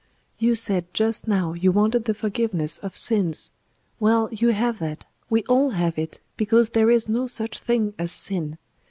You said just now you wanted the Forgiveness of Sins; well, you have that; we all have it, because there is no such thing as sin.